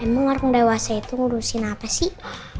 emang orang dewasa itu ngurusin apa sih